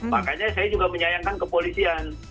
makanya saya juga menyayangkan ke polisian